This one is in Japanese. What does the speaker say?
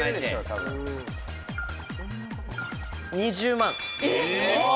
２０万。